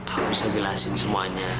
aku bisa jelasin semuanya